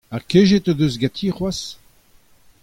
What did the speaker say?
Ha kejet o deus ganti c'hoazh ?